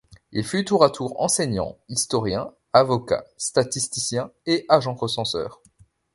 Il fut tour à tour enseignant, historien, avocat, statisticien et agent recenseur.